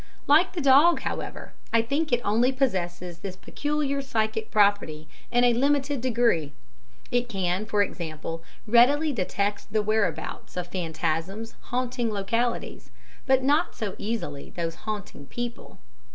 Like the dog, however, I think it only possesses this peculiar psychic property in a limited degree. It can, for example, readily detect the whereabouts of phantasms haunting localities, but not so easily those haunting people.